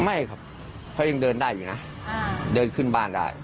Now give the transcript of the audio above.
ไม่ครับเขายังเดินได้อยู่นะเดินขึ้นบ้านได้